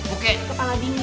uke kepala dingin ya